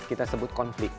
kita sebut konflik